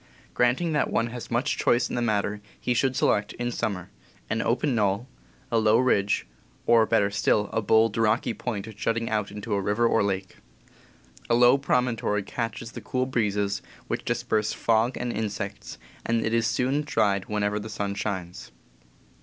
Granting that one has much choice in the matter, he should select, in summer, an open knoll, a low ridge, or, better still, a bold, rocky point jutting out into a river or lake. A low promontory catches the cool breezes, which disperse fog and insects, and it is soon dried whenever the sun shines.